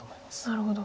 なるほど。